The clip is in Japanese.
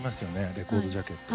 レコードジャケット。